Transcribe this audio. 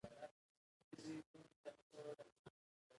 خنزیر هم په همدې ډله کې اهلي شو.